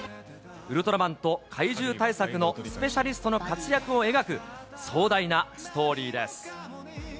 ウルトラマンと禍威獣対策のスペシャリストの活躍を描く、壮大なストーリーです。